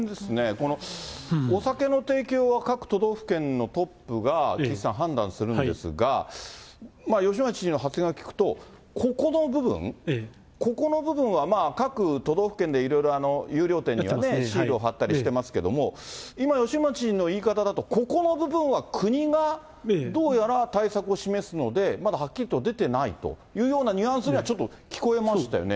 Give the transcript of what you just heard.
この、お酒の提供は各都道府県のトップが岸さん、判断するんですが、吉村知事の発言を聞くと、ここの部分、ここの部分は、各都道府県でいろいろ優良店にはシールを貼ったりしてますけれども、今、吉村知事の言い方だと、ここの部分は国がどうやら対策を示すので、まだはっきりと出てないというようなニュアンスにはちょっと聞こえましたよね。